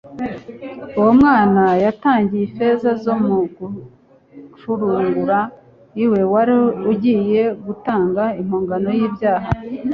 Uwo mwana batangiye ifeza zo kumucurugura niwe wari ugiye gutanga impongano y'ibyaha